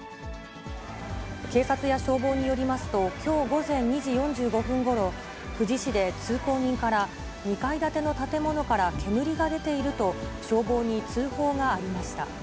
警察や消防によりますと、きょう午前２時４５分ごろ、富士市で通行人から、２階建ての建物から煙が出ていると、消防に通報がありました。